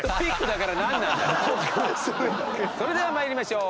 それでは参りましょう。